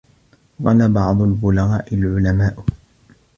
وَقَالَ بَعْضُ الْبُلَغَاءِ الْعُلَمَاءُ